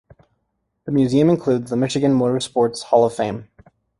The museum includes the Michigan Motor Sports Hall of Fame.